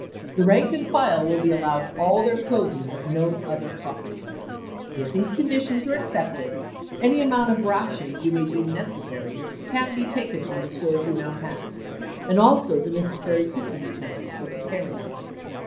The rank and file will be allowed all their cloth ing, but no other property. If these conditions are ac cepted, any amount of rations you may deem necessary can be taken from the stores you now have, and also the necessary cooking utensils for preparing them.